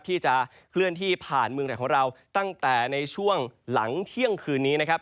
ที่จะเคลื่อนที่ผ่านเมืองไหนของเราตั้งแต่ในช่วงหลังเที่ยงคืนนี้นะครับ